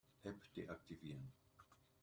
App deaktivieren.